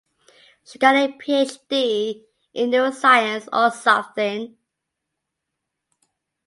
She got a Ph.D. in neuroscience or something.